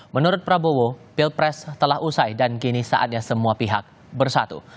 menurut prabowo pilpres telah usai dan kini saatnya semua pihak bersatu